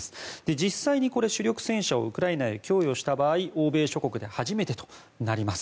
実際に主力戦車をウクライナに供与した場合欧米諸国で初めてとなります。